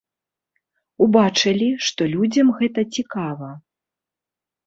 Убачылі, што людзям гэта цікава.